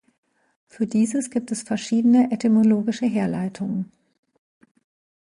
Für dieses gibt es verschiedene etymologische Herleitungen.